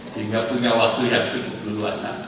sehingga punya waktu yang cukup luas